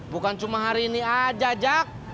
bukan cuma hari ini aja jak